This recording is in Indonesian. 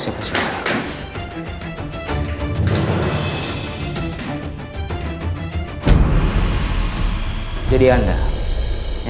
apa yang ada di kartasnya